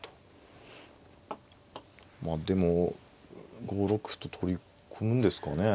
まあでも５六歩と取り込むんですかね